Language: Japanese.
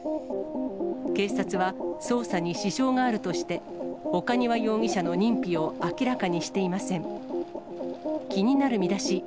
警察は捜査に支障があるとして、岡庭容疑者の認否を明らかにしていません。